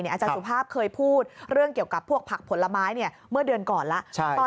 อาจารย์สุภาพเคยพูดเรื่องเกี่ยวกับพวกผักผลไม้เมื่อเดือนก่อนแล้ว